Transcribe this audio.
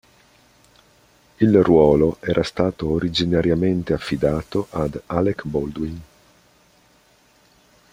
Il ruolo era stato originariamente affidato ad Alec Baldwin.